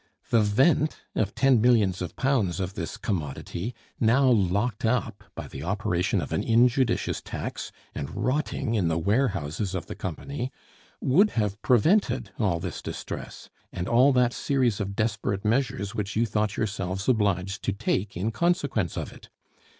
The vent of ten millions of pounds of this commodity, now locked up by the operation of an injudicious tax and rotting in the warehouses of the company, would have prevented all this distress, and all that series of desperate measures which you thought yourselves obliged to take in consequence of it.